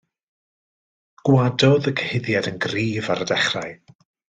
Gwadodd y cyhuddiad yn gryf ar y dechrau.